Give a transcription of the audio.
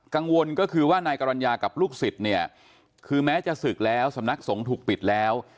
กังวลก็คือว่านายกรรณญากับลูกศิษย์เนี่ยคือแม้จะศึกแล้วสำนักสงฆ์ถูกปิดแล้ว